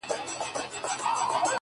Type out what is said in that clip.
• دېوال نم زړوي خو انسان غم زړوي ,